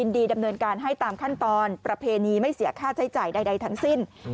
ดำเนินการให้ตามขั้นตอนประเพณีไม่เสียค่าใช้จ่ายใดทั้งสิ้น